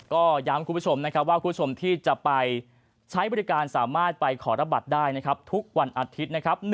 ก็ย้ำคุณผู้ชมนะครับว่าคุณผู้ชมที่จะไปใช้บริการสามารถไปขอระบัตรได้นะครับทุกวันอาทิตย์นะครับ